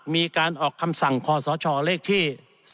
มีการออกคำสั่งความสะชอเลขที่๓๘